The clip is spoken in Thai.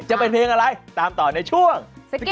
จะเป็นเพลงอะไรตามต่อในช่วง